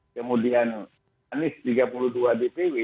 kemudian anies tiga puluh dua dpw